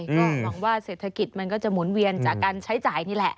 ก็หวังว่าเศรษฐกิจมันก็จะหมุนเวียนจากการใช้จ่ายนี่แหละ